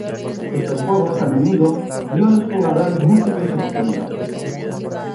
Estos juegos a menudo dio a los jugadores múltiples oportunidades.